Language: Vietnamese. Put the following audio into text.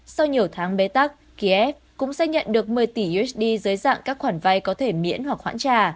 sau nhiều tháng bế tắc kiev cũng sẽ nhận được một mươi tỷ usd dưới dạng các khoản vay có thể miễn hoặc hoãn trả